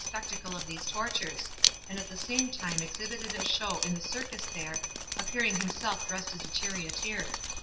spectacle of these tortures, and at the same time exhibited a show in the circus there, appearing himself dressed as a charioteer.